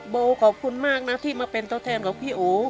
โบขอบคุณมากนะที่มาเป็นตัวแทนของพี่โอ